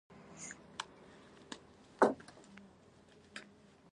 غلام قادر په سزا رسېدلی دی.